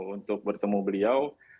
untuk bertemu beliau